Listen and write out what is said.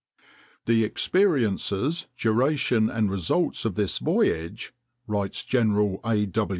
"The experiences, duration, and results of this voyage," writes General A.